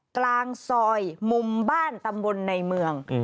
กลางซอยมุมบ้านตำบลในเมือง